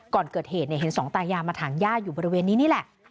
ก่อนเกิดเหตุเห็นสองตายามาถางย่าอยู่บริเวณนี้นี่แหละ